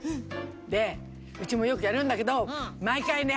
でうちもよくやるんだけどまいかいね